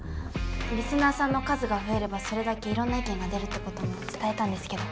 リスナーさんの数が増えればそれだけいろんな意見が出るって事も伝えたんですけど。